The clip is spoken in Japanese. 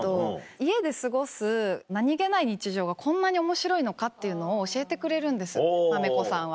家で過ごす何げない日常がこんなに面白いのかというのを教えてくれるんですまめこさんは。